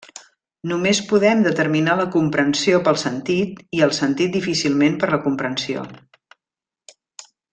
Només podem determinar la comprensió pel sentit i el sentit difícilment per la comprensió.